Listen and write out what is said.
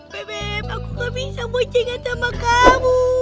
bebem aku gak bisa muncingkan sama kamu